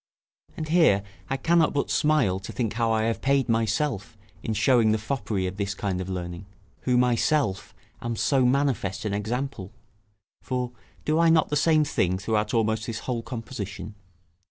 And here I cannot but smile to think how I have paid myself in showing the foppery of this kind of learning, who myself am so manifest an example; for, do I not the same thing throughout almost this whole composition?